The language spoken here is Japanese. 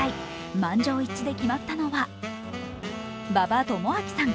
満場一致で決まったのは馬場智章さん。